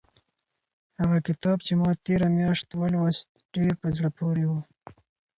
هغه کتاب چې ما تېره میاشت ولوست ډېر په زړه پورې و.